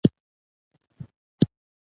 د فراه خلک د پردیو دسیسو ښکار دي